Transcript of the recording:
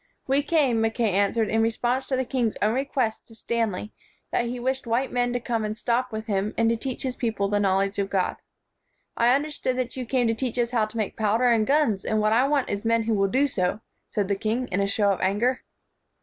"We came," Mackay an swered, "in response to the king's own re quest to Stanley, that he wished white men to come and stop with him, and to teach his people the knowledge of God." "I understood that you came to teach us how to make powder and guns, and what I want is men who will do so," said the king, in a show of anger.